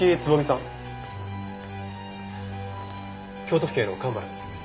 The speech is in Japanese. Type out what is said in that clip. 京都府警の蒲原です。